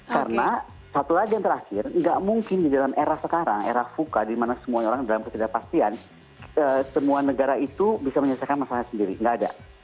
karena satu lagi yang terakhir nggak mungkin di dalam era sekarang era fuka di mana semuanya orang dalam ketidakpastian semua negara itu bisa menyelesaikan masalah sendiri nggak ada